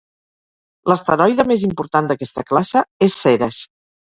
L'asteroide més important d'aquesta classe és Ceres.